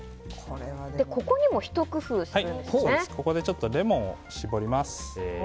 ここにもひと工夫するんですね。